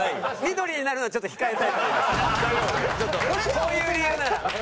こういう理由なら。